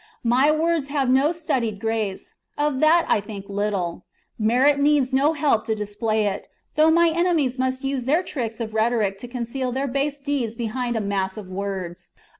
My words have no studied grace ; of that I think little ; merit needs no help to display it, though my enemies must use their tricks of rhetoric to conceal their base deeds behind a mass of words.